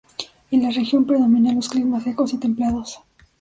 En la región predominan los climas secos y templados.